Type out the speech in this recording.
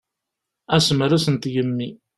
Asemres n tgemmi.